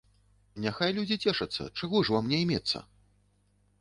Няхай людзі цешацца, чаго ж вам няймецца!